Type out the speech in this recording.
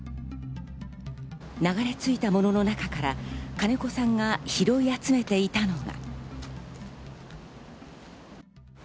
流れついたものの中から金子さんが拾い集めていたのが。